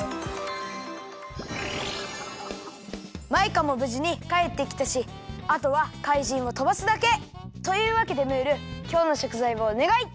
マイカもぶじにかえってきたしあとは怪人をとばすだけ！というわけでムールきょうのしょくざいをおねがい！